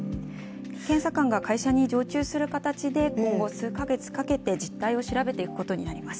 検査官が会社に常駐する形で数か月かけて実態を調べていくことになります。